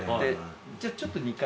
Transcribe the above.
じゃあちょっと２階。